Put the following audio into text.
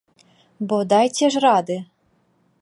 Бо дайце ж рады!